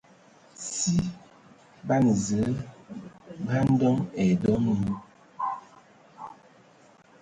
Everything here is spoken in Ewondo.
Si ban Zǝə bə andəŋ ai dɔ mi.